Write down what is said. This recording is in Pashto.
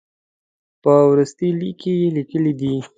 په وروستي لیک کې یې لیکلي دي.